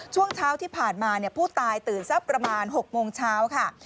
ช่วงเช้าที่ผ่านมาผู้ตายตื่นสักประมาณ๖โมงเช้าค่ะ